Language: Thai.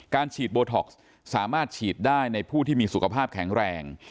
ฉีดโบท็อกซ์สามารถฉีดได้ในผู้ที่มีสุขภาพแข็งแรง